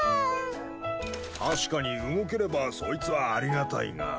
確かに動ければそいつはありがたいが。